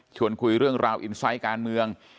คุยเรื่องราวอินไซต์การเมือง